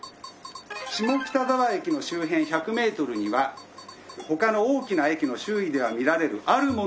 下北沢駅の周辺１００メートルには他の大きな駅の周囲では見られるあるものがありません。